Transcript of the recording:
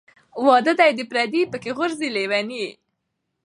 ـ واده دى د پرديي کې غورځي لېوني .